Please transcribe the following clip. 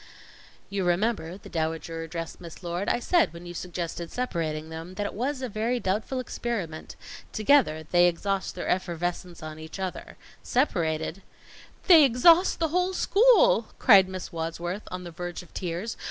"You remember," the Dowager addressed Miss Lord, "I said when you suggested separating them, that it was a very doubtful experiment. Together, they exhaust their effervescence on each other; separated " "They exhaust the whole school!" cried Miss Wadsworth, on the verge of tears.